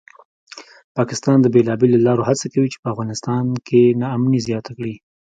پاکستان د بېلابېلو لارو هڅه کوي چې افغانستان کې ناامني زیاته کړي